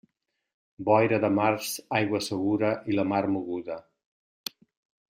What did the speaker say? Boira de març, aigua segura i la mar moguda.